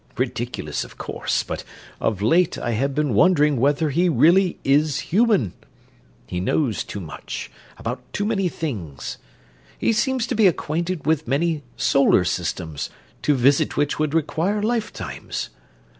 Ridiculous, of course, but of late I have been wondering whether he really is human. He knows too much, about too many things. He seems to be acquainted with many solar systems, to visit which would require life times.